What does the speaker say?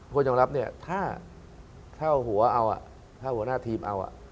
คนยอมรับเนี่ยถ้าหัวหน้าทีมเอาอ่ะ